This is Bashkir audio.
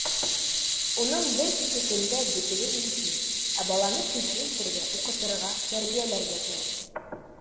Уның бер-ике көндә бөтөүе мөмкин, ә баланы кеше итергә, уҡытырға, тәрбиәләргә кәрәк.